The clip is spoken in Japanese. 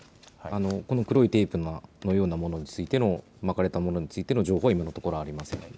この黒いテープのようなものについての巻かれたものについての情報は今のところありません。